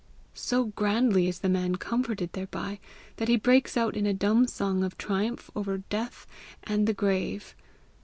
So grandly is the man comforted thereby, that he breaks out in a dumb song of triumph over death and the grave.